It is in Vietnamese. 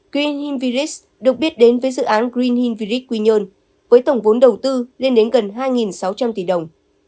green hill village được biết đến với dự án green hill village quy nhơn với tổng vốn đầu tư lên đến gần hai sáu trăm linh tỷ đồng